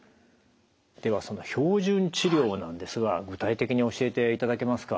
ではその標準治療なんですが具体的に教えていただけますか？